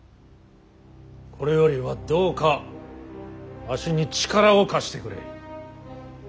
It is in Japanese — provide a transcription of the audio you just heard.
これよりはどうかわしに力を貸してくれ。